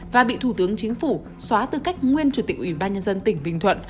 và bị thủ tướng chính phủ xóa tư cách nguyên chủ tịch ủy ban nhân dân tỉnh bình thuận